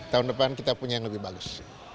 tahun depan kita punya yang lebih bagus